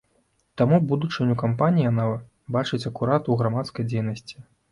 Таму будучыню кампаніі яна бачыць акурат у грамадскай дзейнасці.